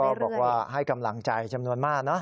แฟนคลับก็บอกว่าให้กำลังใจจำนวนมากเนอะ